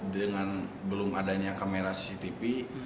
dengan belum adanya kamera cctv